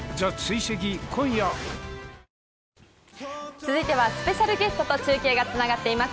続いてはスペシャルゲストと中継がつながっています。